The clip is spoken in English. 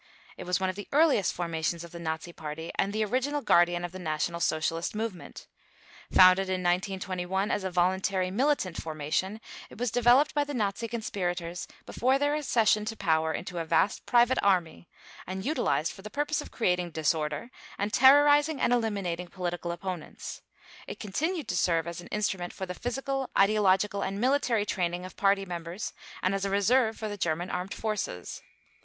It was one of the earliest formations of the Nazi Party and the original guardian of the National Socialist movement. Founded in 1921 as a voluntary militant formation, it was developed by the Nazi conspirators before their accession to power into a vast private army and utilized for the purpose of creating disorder, and terrorizing and eliminating political opponents. It continued to serve as an instrument for the physical, ideological, and military training of Party members and as a reserve for the German Armed Forces.